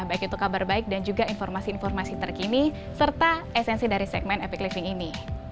baik itu kabar baik dan juga informasi informasi terkini serta esensi dari segmen epic living ini